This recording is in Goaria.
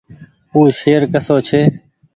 او شهر ڪسو ڇي۔